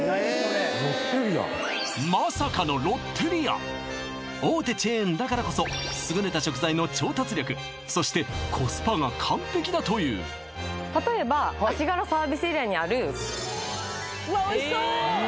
ロッテリアまさかの大手チェーンだからこそ優れた食材の調達力そしてコスパが完璧だという例えば足柄サービスエリアにある・わっおいしそう！